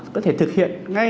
có thể thực hiện ngay